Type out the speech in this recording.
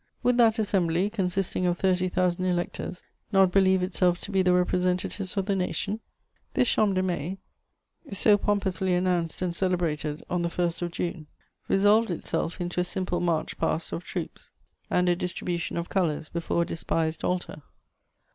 Would that assembly, consisting of thirty thousand electors, not believe itself to be the representatives of the nation? This Champ de Mai, so pompously announced and celebrated on the 1st of June, resolved itself into a simple march past of troops and a distribution of colours before a despised altar.